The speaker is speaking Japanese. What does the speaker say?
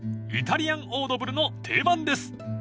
［イタリアンオードブルの定番です］